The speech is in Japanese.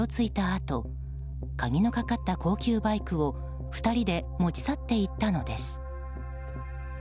あと鍵のかかった高級バイクを２人で持ち去っていったのです。